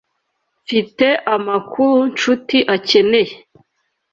Mfite amakuru Nshuti akeneye.